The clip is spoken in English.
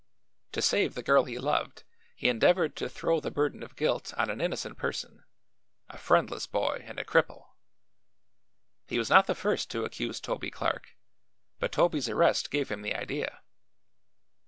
To save the girl he loved he endeavored to throw the burden of guilt on an innocent person, a friendless boy and a cripple. He was not the first to accuse Toby Clark, but Toby's arrest gave him the idea.